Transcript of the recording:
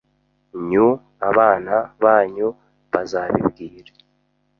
nyu abana banyu bazabibwire